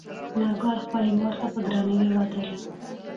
انارګل خپلې مور ته په درناوي ودرېد.